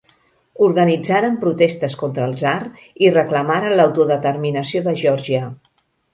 Organitzaren protestes contra el tsar i reclamaren l'autodeterminació de Geòrgia.